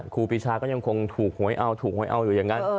ครูปีชาก็ยังคงถูกหวยเอาถูกหวยเอาอยู่อย่างนั้น